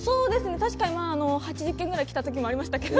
確かにまあ８０件ぐらい来た時もありましたけど。